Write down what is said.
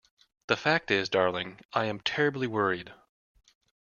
The fact is, darling, I am terribly worried.